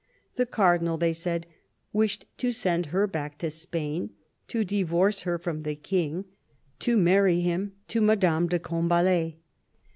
The Cardinal, they said, wished to send her back to Spain, to divorce her from the King, to marry him to Madame de Combalet